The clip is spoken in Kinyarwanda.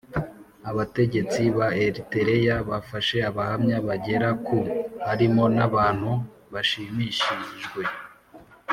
Abategetsi ba eritereya bafashe abahamya bagera ku harimo n abantu bashimishijwe